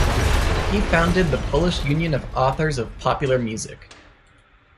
He founded the Polish Union of Authors of Popular Music.